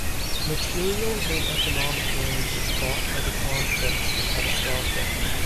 Material and economic damages brought by the conflicts were catastrophic.